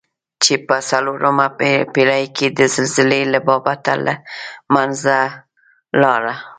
چې په څلورمه پېړۍ کې د زلزلې له بابته له منځه لاړه.